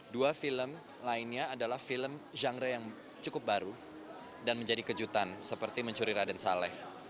dua film lainnya adalah film genre yang cukup baru dan menjadi kejutan seperti mencuri raden saleh